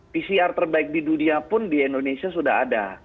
pcr terbaik di dunia pun di indonesia sudah ada